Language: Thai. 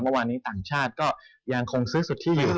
เมื่อวานนี้ต่างชาติก็ยังคงซื้อสุทธิอยู่